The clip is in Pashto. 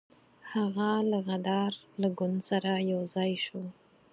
هغه د غدر له ګوند سره یو ځای شو.